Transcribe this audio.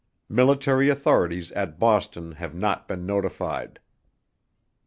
MILITARY AUTHORITIES AT BOSTON HAVE NOT BEEN NOTIFIED.